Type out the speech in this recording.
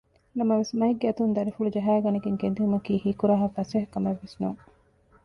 ނަމަވެސް މައެއްގެ އަތުން ދަރިފުޅު ޖަހައިގަނެގެން ގެންދިއުމަކީ ހީކުރާހާ ފަސޭހަ ކަމެއްވެސް ނޫން